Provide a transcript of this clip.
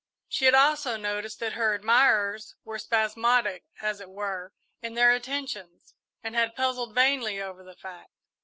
She had also noticed that her admirers were spasmodic, as it were, in their attentions, and had puzzled vainly over the fact.